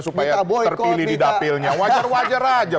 supaya terpilih di dapilnya wajar wajar aja